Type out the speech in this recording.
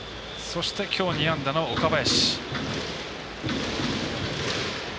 そして、きょう２安打の岡林。